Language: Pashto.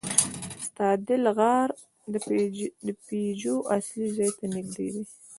ستادل غار د پيژو اصلي ځای ته نږدې دی.